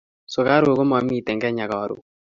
Sukaruk ko mamiten kenya karun